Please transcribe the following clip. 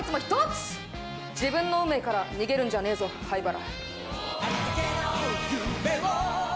自分の運命から逃げるんじゃねえぞ灰原。